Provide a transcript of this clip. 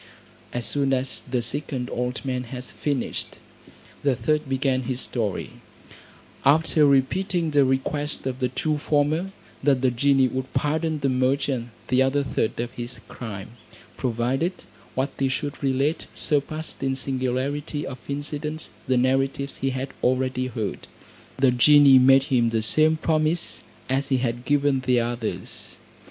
As soon as the second old man had finished, the third began his story, after repeating the request of the two former, that the genie would pardon the merchant the other third of his crime, provided what he should relate surpassed in singularity of incidents the narratives he had already heard. The genie made him the same promise as he had given the others.